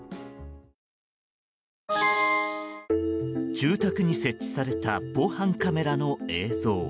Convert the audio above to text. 住宅に設置された防犯カメラの映像。